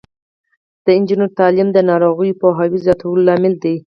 د نجونو تعلیم د ناروغیو پوهاوي زیاتولو لامل دی.